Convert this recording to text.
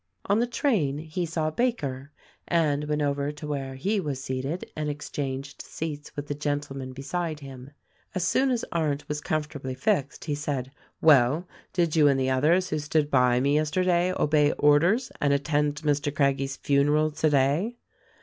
On the train he saw Baker and went over to where he was seated and exchanged seats with the gentleman beside him. As soon as Arndt was comfortably fixed he said: "Well, did you and the others who stood by me yesterday obey orders and attend Mr. Craggie's funeral today